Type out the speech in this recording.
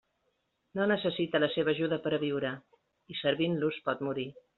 No necessita la seva ajuda per a viure, i servint-los pot morir.